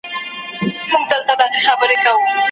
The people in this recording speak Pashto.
موږ یې په لمبه کي د زړه زور وینو